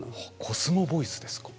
コスモボイスですか。